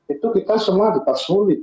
itu kita semua juga sulit